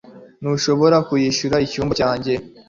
ntushobora kuyishyuza icyumba cyanjye